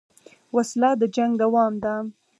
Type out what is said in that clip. وسله د جنګ دوام ده